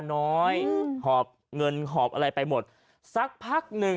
น้อยอืมหอบเงินหอบอะไรไปหมดสักพักหนึ่ง